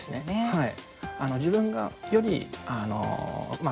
はい。